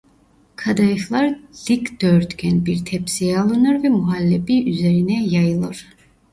Kadayıflar dikdörtgen bir tepsiye alınır ve muhallebi üzerine yayılır.